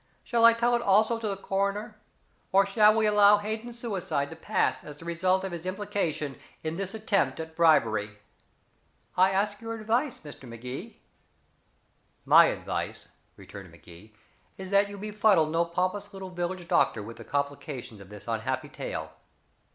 "Shall I tell it also to the coroner? Or shall we allow Hayden's suicide to pass as the result of his implication in this attempt at bribery? I ask your advice, Mr. Magee." "My advice," returned Magee, "is that you befuddle no pompous little village doctor with the complication of this unhappy tale.